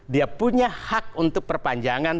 dia punya hak untuk perpanjangan